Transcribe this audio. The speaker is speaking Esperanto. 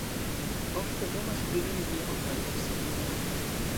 Ofte temas pri religia okazo, sed ne nur.